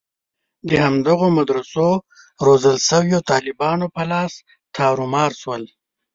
د همدغو مدرسو روزل شویو طالبانو په لاس تارومار شول.